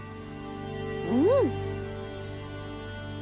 うん。